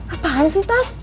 apaan sih tas